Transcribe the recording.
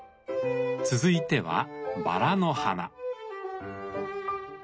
続いてはバラの花。